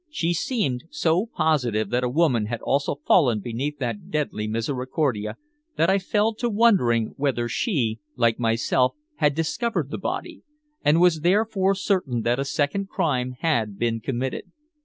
She seemed so positive that a woman had also fallen beneath that deadly misericordia that I fell to wondering whether she, like myself, had discovered the body, and was therefore certain that a second crime had been committed.